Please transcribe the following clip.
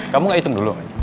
kamu gak hitung dulu